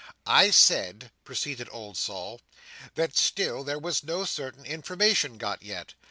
"—I said," proceeded old Sol, "that still there was no certain information got yet.